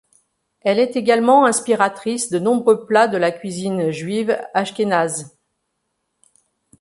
Elle est également inspiratrice de nombreux plats de la cuisine juive ashkénaze.